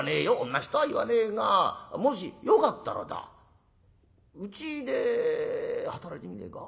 同じとは言わねえがもしよかったらだうちで働いてみねえか？